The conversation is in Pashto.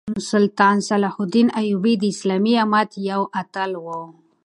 سلطان صلاح الدین ایوبي د اسلامي امت یو اتل وو.